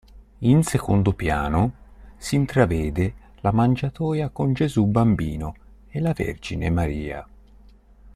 In secondo piano, si intravede la mangiatoia con Gesù bambino e la Vergine Maria.